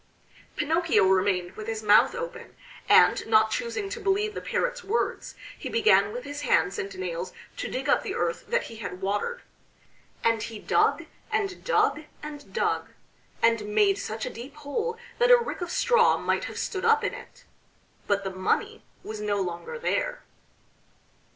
Pinocchio remained with his mouth open, and not choosing to believe the Parrot's words he began with his hands and nails to dig up the earth that he had watered. And he dug, and dug, and dug, and made such a deep hole that a rick of straw might have stood up in it; but the money was no longer there.